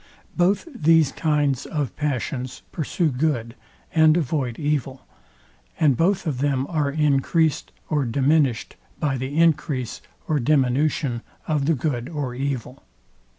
Both these kinds of passions pursue good, and avoid evil; and both of them are encreased or diminished by the encrease or diminution of the good or evil.